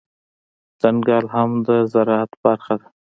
ځنګل هم د زرعت برخه ده